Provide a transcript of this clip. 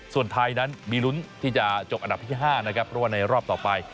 ส่วนไทยนั้นมีลุ้นที่จะจบอันดับที่๕นะครับเพราะว่าในรอบต่อไป